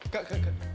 kak kak kak